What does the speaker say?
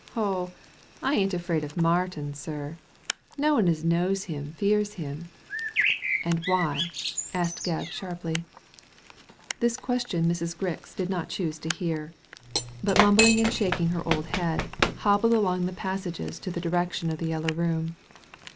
'' Oh, I ain't afraid of Martin, sir ; no one as knows him fears him." " And why? " asked Gebb, sharply. This question Mrs. Grix did not choose to hear ; but mumbling and shaking her old head, hobbled along the passages in the direction of the Yellow Room.